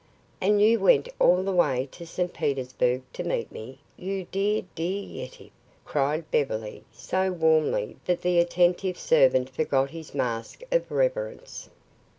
"And you went all the way to St. Petersburg to meet me, you dear, dear Yetive," cried Beverly, so warmly that the attentive servant forgot his mask of reverence.